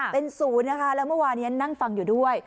เป็นศูนย์นะคะแล้วเมื่อวานี้นั่งฟังอยู่ด้วย